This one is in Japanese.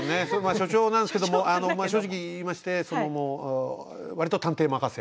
所長なんですけど正直言いましてわりと探偵任せ。